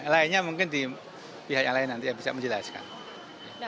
lainnya mungkin di pihak yang lain nanti yang bisa menjelaskan